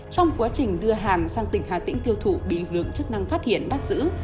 trong quá trình đưa hàng sang tỉnh hà tĩnh thiêu thụ bị lượng chức năng phát hiện bắt giữ